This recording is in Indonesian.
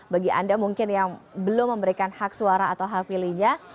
bagi anda mungkin yang belum memberikan hak suara atau hak pilihnya